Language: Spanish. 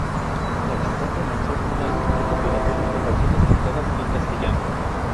La cantante lanzó un álbum recopilatorio con versiones cantadas en castellano.